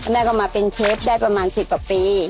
แม่ก็มาเป็นเชฟได้ประมาณ๑๐กว่าปี